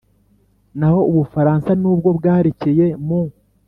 naho u bufaransa, nubwo bwarekeye mu